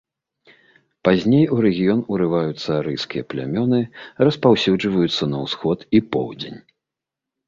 Пазней у рэгіён урываюцца арыйскія плямёны, распаўсюджваюцца на ўсход і поўдзень.